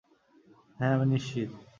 হ্যাঁ, আমি নিশ্চিত।